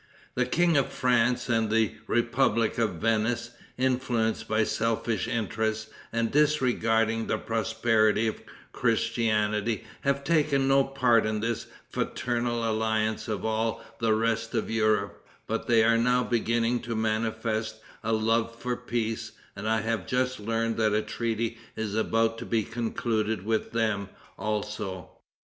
"The King of France and the republic of Venice, influenced by selfish interests, and disregarding the prosperity of Christianity, have taken no part in this fraternal alliance of all the rest of Europe; but they are now beginning to manifest a love for peace, and I have just learned that a treaty is about to be concluded with them, also.